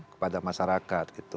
kepada masyarakat gitu